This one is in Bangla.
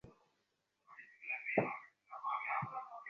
মধুসূদন আবার বললে, শুনছ?